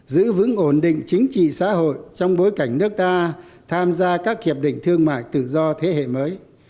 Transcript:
giữ vững ổn định chính trị xã hội trong bối cảnh nước ta tham gia các hiệp định thương mại tự do thế hệ mới